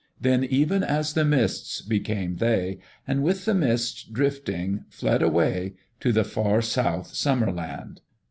Then even as the mists became they, and with the mists drifting, fled away, to the far south Summer land.